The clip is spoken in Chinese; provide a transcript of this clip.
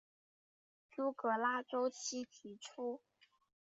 朱格拉周期提出。